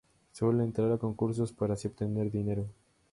Suele entrar a concursos para así obtener dinero.